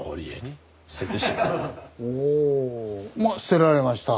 まあ捨てられました。